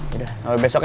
yaudah sampai besok ya